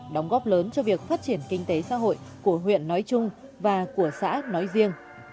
đóng góp lớn cho việc phát triển kinh tế xã hội của huyện nói chung và của xã nói riêng